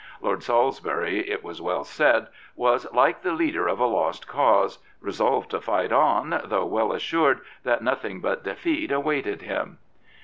Lord Salisbury, it was well said, was like the leader of a lost cause, resolved to fight on, though well assured that nothing but defeat awaited him."'